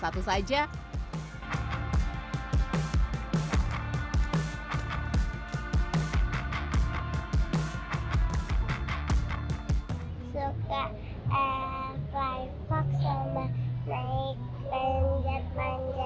suka fly fox sama naik panjat panjat